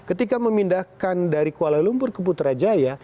ketika memindahkan dari kuala lumpur ke putrajaya